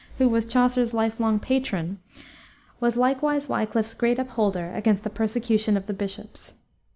who was Chaucer's life long patron, was likewise Wiclif's great upholder against the persecution of the bishops.